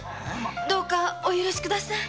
どうかお許し下さい。